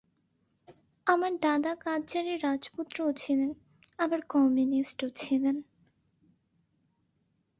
আমার দাদা কাদজারের রাজপুত্রও ছিলেন আবার কমিউনিস্টও ছিলেন!